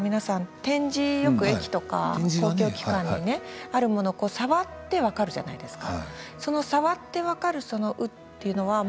目が見えない方が皆さん点字をよく駅とかで、公共機関にあるものを触って分かるじゃないですか。